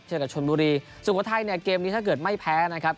เจอกับฉมบุรีสูงโถ่ไทยเนี่ยเกมนี้ถ้าเกิดไม่แพ้นะครับ